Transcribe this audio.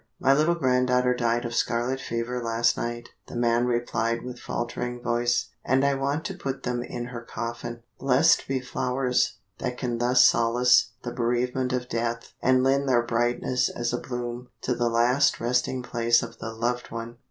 "'My little granddaughter died of scarlet fever last night,' the man replied with faltering voice, 'and I want to put them in her coffin.' "Blessed be flowers, that can thus solace the bereavement of death and lend their brightness as a bloom, to the last resting place of the loved one."